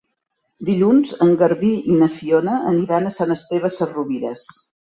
Dilluns en Garbí i na Fiona aniran a Sant Esteve Sesrovires.